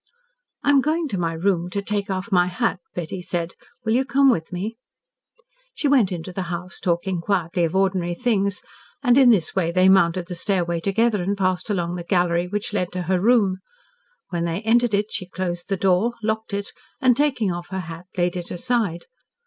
"I am going to my room to take off my hat," Betty said. "Will you come with me?" She went into the house, talking quietly of ordinary things, and in this way they mounted the stairway together and passed along the gallery which led to her room. When they entered it she closed the door, locked it, and, taking off her hat, laid it aside.